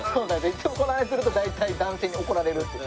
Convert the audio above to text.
いつもこの話すると大体男性に怒られるっていう。